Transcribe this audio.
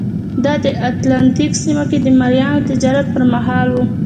دا د اتلانتیک سیمه کې د مریانو تجارت پرمهال وه.